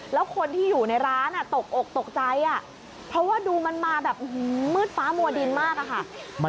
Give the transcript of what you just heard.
แล้วคนที่อยู่ในร้านตกอกตกใจเพราะว่าดูมันมาแบบมืดฟ้ามัวดินมากอะค่ะ